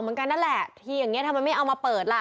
เหมือนกันนั่นแหละทีอย่างนี้ทำไมไม่เอามาเปิดล่ะ